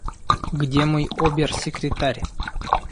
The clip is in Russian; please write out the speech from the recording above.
Где мой обер-секретарь?»